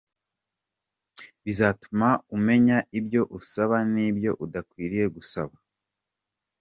Bizatuma umenya ibyo usaba n'ibyo udakwiriye gusaba.